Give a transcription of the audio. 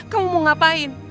kamu mau ngapain